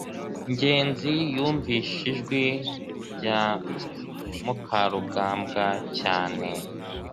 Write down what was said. ngenzi yumvise ijwi rya mukarugambwa cyane